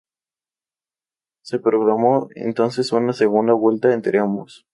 Se programó entonces una segunda vuelta entre ambos.